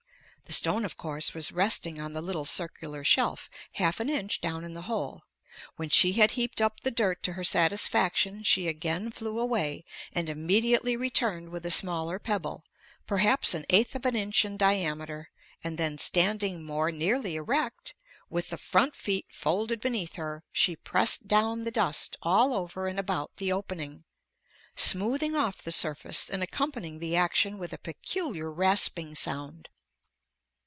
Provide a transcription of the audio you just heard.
[The stone of course was resting on the little circular shelf half an inch down in the hole.] ... When she had heaped up the dirt to her satisfaction, she again flew away and immediately returned with a smaller pebble, perhaps an eighth of an inch in diameter, and then standing more nearly erect, with the front feet folded beneath her, she pressed down the dust all over and about the opening, smoothing off the surface and accompanying the action with a peculiar rasping sound."